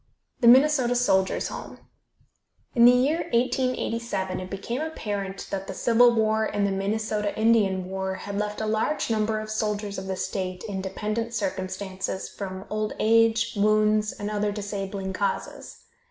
THE MINNESOTA SOLDIERS' HOME. In the year 1887 it became apparent that the Civil War and the Minnesota Indian War had left a large number of soldiers of the state in dependent circumstances from old age, wounds and other disabling causes.